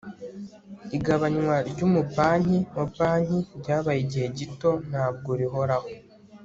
igabanywa ry'umubanki wa banki ryabaye igihe gito, ntabwo rihoraho